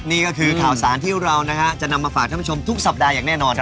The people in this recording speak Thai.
นี่ก็คือข่าวสารที่เราจะนำมาฝากท่านผู้ชมทุกสัปดาห์อย่างแน่นอนครับ